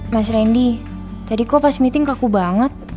mas randy jadi kok pas meeting kaku banget